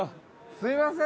すいません。